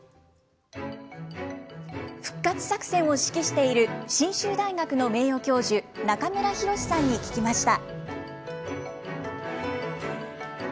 復活作戦を指揮している信州大学の名誉教授、中村浩志さんに聞きました。